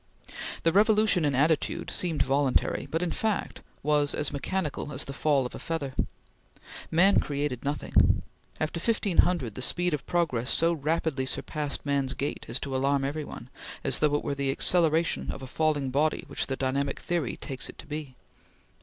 The revolution in attitude seemed voluntary, but in fact was as mechanical as the fall of a feather. Man created nothing. After 1500, the speed of progress so rapidly surpassed man's gait as to alarm every one, as though it were the acceleration of a falling body which the dynamic theory takes it to be.